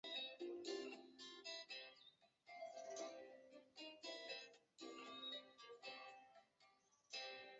一说他就是宋朝方面史料记载的耶律郑哥。